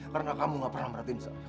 karena kamu gak pernah merhatiin saya